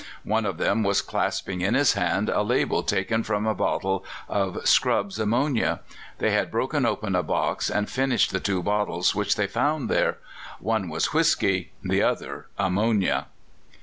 One of them was clasping in his hand a label taken from a bottle of Scrubb's ammonia. They had broken open a box, and finished the two bottles which they found there: one was whisky, the other ammonia!